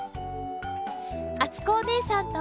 あつこおねえさんと。